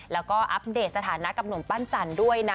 แล้วก็อัปเดตสถานะกับหนุ่มปั้นจันทร์ด้วยนะ